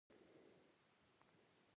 په ټول کلي احمد ډېر راته ګران دی.